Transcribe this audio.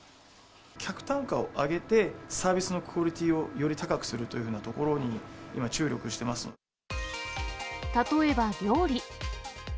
客単価を上げて、サービスのクオリティーをより高くするというふうなところに今、例えば料理。